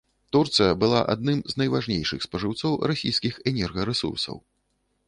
Турцыя была адным з найважнейшых спажыўцоў расійскіх энергарэсурсаў.